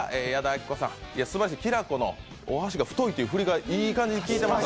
きらこのお箸が太いというフリがいい感じに効いてました。